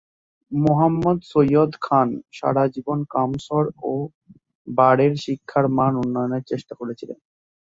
মোহাম্মদ সৈয়দ খান সারা জীবন কামসর-ও-বারের শিক্ষার মান উন্নয়নের চেষ্টা করেছিলেন।